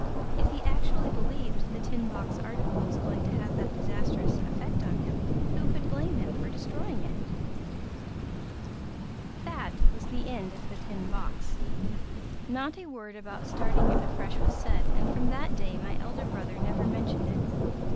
If he actually believed The Tin Box article was going to have that disastrous effect on him, who could blame him for destroying it? That was the end of The Tin Box; not a word about starting it afresh was said, and from that day my elder brother never mentioned it.